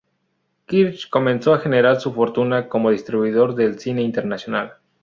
Kirch comenzó a generar su fortuna como distribuidor de cine internacional.